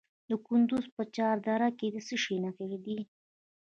د کندز په چهار دره کې د څه شي نښې دي؟